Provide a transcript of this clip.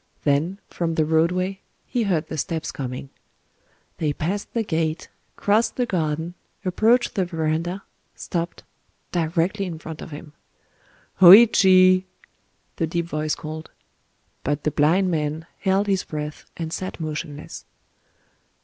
Then, from the roadway, he heard the steps coming. They passed the gate, crossed the garden, approached the verandah, stopped—directly in front of him. "Hōïchi!" the deep voice called. But the blind man held his breath, and sat motionless.